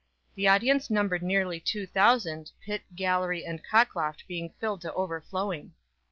The audience numbered nearly two thousand, pit, gallery and cockloft being filled to overflowing.